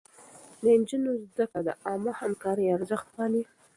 د نجونو زده کړه د عامه همکارۍ ارزښت پالي.